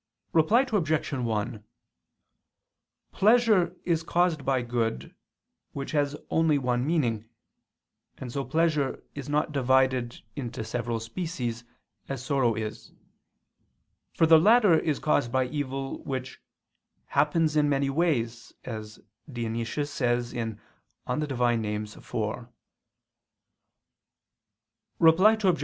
Reply Obj. 1: Pleasure is caused by good, which has only one meaning: and so pleasure is not divided into several species as sorrow is; for the latter is caused by evil, which "happens in many ways," as Dionysius says (Div. Nom. iv). Reply Obj.